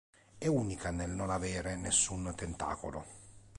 È unica nel non avere nessun tentacolo.